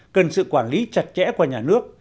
cần sự quản lý chặt chẽ qua nhà nước